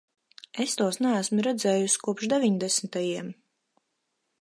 Es tos neesmu redzējis kopš deviņdesmitajiem.